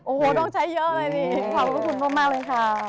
โอ้โหต้องใช้เยอะเลยนี่ขอบคุณมากเลยค่ะ